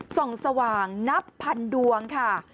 ส่องสว่างนับพันดวงค่ะ